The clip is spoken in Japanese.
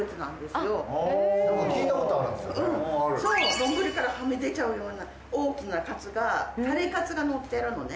丼からはみ出ちゃうような大きなカツがタレカツがのってるのね。